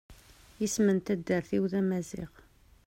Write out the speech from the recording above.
Isem n taddart-iw d amaziɣ.